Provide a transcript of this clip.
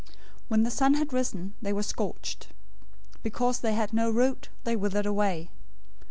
013:006 When the sun had risen, they were scorched. Because they had no root, they withered away.